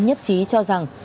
nhất trí cho rằng